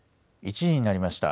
１時になりました。